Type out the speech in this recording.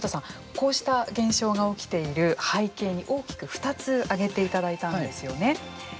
こうした現象が起きている背景に大きく２つ挙げていただいたんですよね。